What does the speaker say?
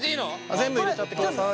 全部入れちゃってください。